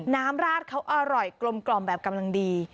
ราดเขาอร่อยกลมแบบกำลังดี